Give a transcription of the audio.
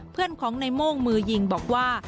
เพื่อนของในโม่งมือยิงบอกว่า